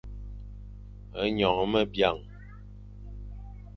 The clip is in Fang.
Nyongh me biang.